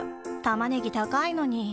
タマネギ高いのに。